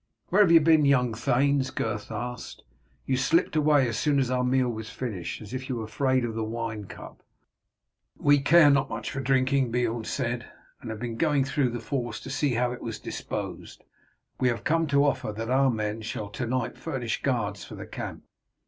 "Where have you been, young thanes?" Gurth asked. "You slipped away as soon as our meal was finished, as if you were afraid of the wine cup." "We care not much for drinking," Beorn said, "and have been going through the force to see how it was disposed. We have come to offer that our men shall to night furnish guards for the camp."